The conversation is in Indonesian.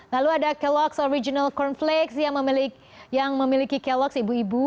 lalu ada kellogg's original corn flakes yang memiliki kellogg's ibu ibu